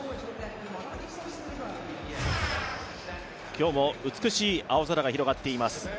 今日も美しい青空が広がっています。